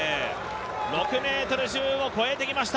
６ｍ１０を超えてきました。